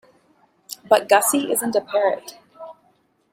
But Gussie isn't a parrot.